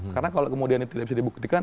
karena kalau kemudian itu tidak bisa dibuktikan